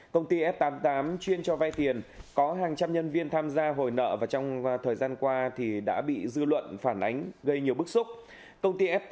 công ty f tám mươi tám chuyên cho vay tiền có hàng trăm nhân viên tham gia hồi nợ và trong thời gian qua đã bị dư luận phản ánh gây nhiều bức xúc